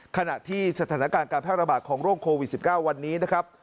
ขณะที่สถานการณ์การแพร่ระบาดของโรคโควิด๑๙วันนี้นะครับ